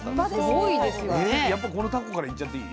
やっぱこのタコからいっちゃっていい？